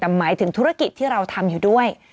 แต่หมายถึงธุรกิจที่เราทำอยู่ด้วย